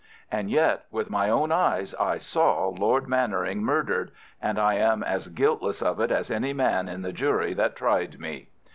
And yet, with my own eyes I saw Lord Mannering murdered, and I am as guiltless of it as any man on the jury that tried me.